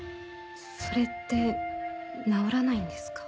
それって治らないんですか？